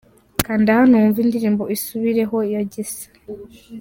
Kanda hano wumve indirimbo Isubireho ya Gisa.